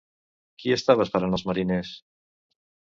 Qui estava esperant els mariners?